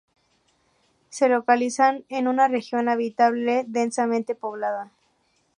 Se localizan en una región habitable, densamente poblada.